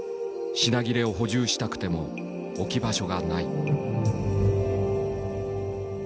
品切れを補充したくても置き場所がない」。